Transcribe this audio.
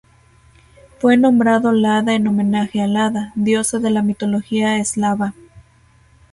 Fue nombrado Lada en homenaje a Lada, diosa de la mitología eslava.